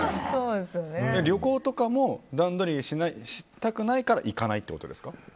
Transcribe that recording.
旅行とかも段取りしたくないから行かないってことですか？